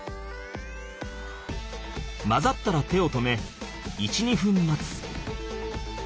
混ざったら手を止め１２分待つ。